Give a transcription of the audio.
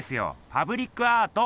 パブリックアート！